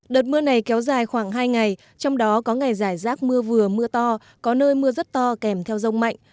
đợt mưa này kéo dài khoảng hai ngày trong đó có ngày giải rác mưa vừa mưa to có nơi mưa rất to kèm theo rông mạnh